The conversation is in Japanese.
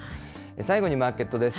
最後にマーケットです。